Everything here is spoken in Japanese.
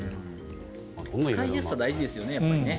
使いやすさやっぱり大事ですよね。